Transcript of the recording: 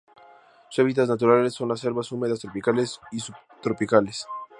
Sus hábitats naturales son las selvas húmedas tropicales y subtropicales.